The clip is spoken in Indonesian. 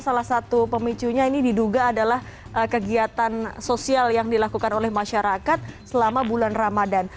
salah satu pemicunya ini diduga adalah kegiatan sosial yang dilakukan oleh masyarakat selama bulan ramadan